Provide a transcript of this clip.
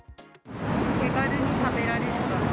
手軽に食べられるから。